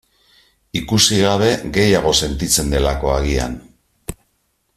Ikusi gabe gehiago sentitzen delako, agian.